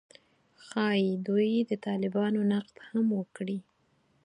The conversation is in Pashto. ښايي دوی د طالبانو نقد هم وکړي